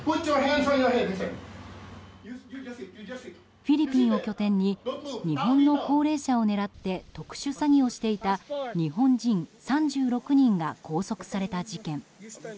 フィリピンを拠点に日本の高齢者を狙って特殊詐欺をしていた日本人３６人が拘束された事件。